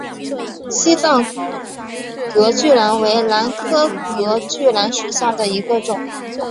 西藏隔距兰为兰科隔距兰属下的一个种。